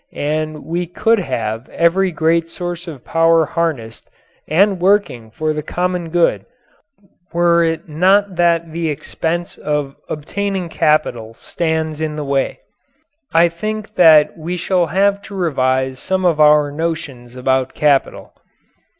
And we could have every great source of power harnessed and working for the common good were it not that the expense of obtaining capital stands in the way. I think that we shall have to revise some of our notions about capital.